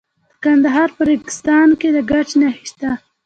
د کندهار په ریګستان کې د ګچ نښې شته.